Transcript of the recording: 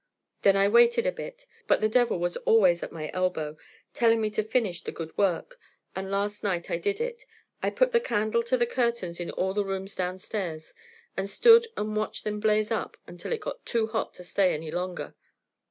Then I waited a bit, but the devil was always at my elbow, telling me to finish the good work, and last night I did it. I put the candle to the curtains in all the rooms downstairs, and stood and watched them blaze up until it got too hot to stay any longer.